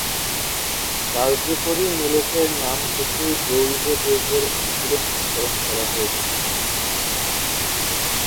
কার্যকরী মূলকের নাম থেকেই জৈব যৌগের অণুগুলির নামকরণ করা হয়ে থাকে।